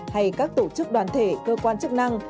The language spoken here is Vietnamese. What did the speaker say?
hay các tổ chức đoàn thể cơ quan chức năng